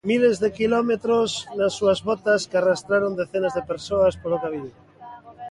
Miles de quilómetros nas súas botas, que arrastraron decenas de persoas polo camiño.